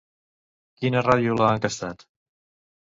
Quina ràdio l'ha enquestat?